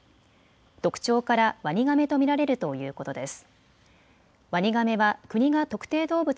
特徴からワニガメと見られるということです。